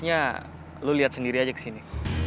kamu lihat sendiri saja ke sini